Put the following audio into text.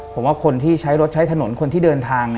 ผมว่าคนที่ใช้รถใช้ถนนคนที่เดินทาง